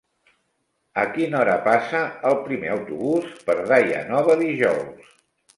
A quina hora passa el primer autobús per Daia Nova dijous?